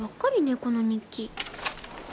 この日記。